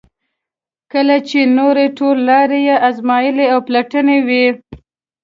کله چې نورې ټولې لارې یې ازمایلې او پلټلې وي.